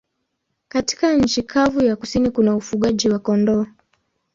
Katika nchi kavu ya kusini kuna ufugaji wa kondoo.